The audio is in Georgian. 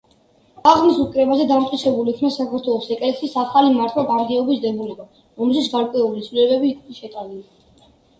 აღნიშნულ კრებაზე დამტკიცებული იქნა საქართველოს ეკელსიის ახალი მართვა-გამგეობის დებულება, რომელშიც გარკვეული ცვლილებები იქნა შეტანილი.